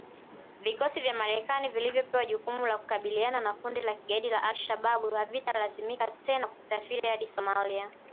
Vikosi vya Marekani vilivyopewa jukumu la kukabiliana na kundi la kigaidi la al Shabab havitalazimika tena kusafiri hadi Somalia